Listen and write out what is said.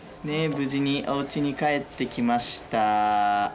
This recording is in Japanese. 無事におうちに帰ってきました。